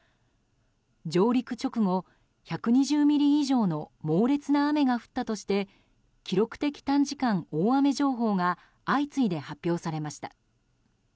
上陸直後、１２０ミリ以上の猛烈な雨が降ったとして記録的短時間大雨情報が相次いで発表されました。